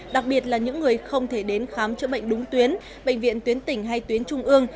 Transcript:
đặc biệt là những người không thể đến khám chữa bệnh đúng tuyến bệnh viện tuyến tỉnh hay tuyến trung ương